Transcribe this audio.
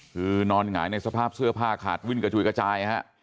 คือนอนหงายในสภาพเสื้อผ้าขาดวิ่นกระจุยกระจายฮะ